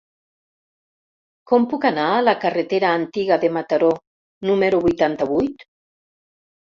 Com puc anar a la carretera Antiga de Mataró número vuitanta-vuit?